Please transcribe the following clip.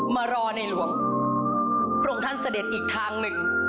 มารอในหลวงพระองค์ท่านเสด็จอีกทางหนึ่ง